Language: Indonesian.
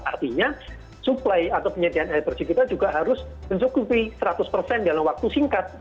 artinya suplai atau penyediaan air bersih kita juga harus mencukupi seratus persen dalam waktu singkat